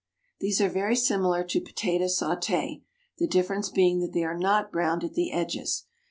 These are very similar to potato saute, the difference being that they are not browned at the edges.